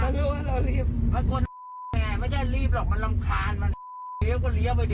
จริงหรือเปล่าว่าเกิดอะไรขึ้นไงไม่ใช่รีบหรอกมันรำคาญมันเหลี้ยวก็เหลี้ยวไปดิ